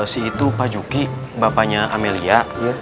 si itu pak juki bapaknya amelia